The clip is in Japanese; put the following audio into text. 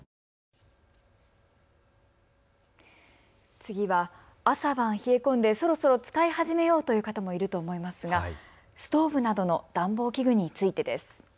次は朝晩冷え込んでそろそろ使い始めようという方もいると思いますがストーブなどの暖房器具についてです。